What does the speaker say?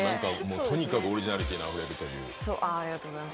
とにかくオリジナリティーあふれるという。